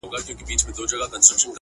زړه یوسې او پټ یې په دسمال کي کړې بدل؛